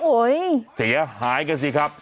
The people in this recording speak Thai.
โอ้โหเสียหายกันสิครับ